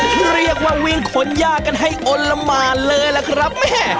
คือเรียกว่าวิ่งขนย่ากันให้อดลำอย่างมากเลยละครับแม่